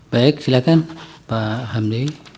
baik silakan pak hamdi